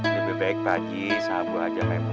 lebih baik pak haji sahabat aja main main